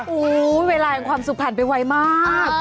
อู้วเวลาอย่างความสุขผ่านไปไวมาก